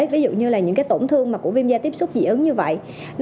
ví dụ như là những cái tổn thương mà của viêm da tiếp xúc dị ứng như vậy